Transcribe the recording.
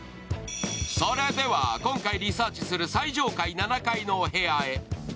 それでは今回リサーチする最上階７階のお部屋へ。